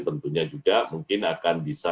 tentunya juga mungkin akan bisa